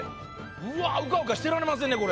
うわっうかうかしてられませんねこれ。